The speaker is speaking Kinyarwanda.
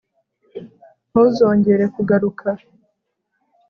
ntuzongere kugaruka